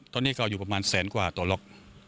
ตอนนี้ก็อยู่ประมาณแสนกว่าต่อล็อก